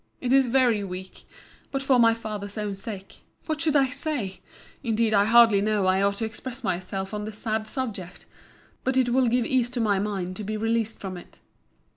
—it is very weak!—But for my father's own sake—what should I say!—Indeed I hardly know how I ought to express myself on this sad subject!—but it will give ease to my mind to be released from it.